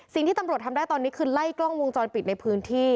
สิ่งที่ตำรวจทำได้ตอนนี้คือไล่กล้องวงจรปิดในพื้นที่